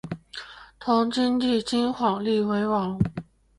同母弟金晃立为王。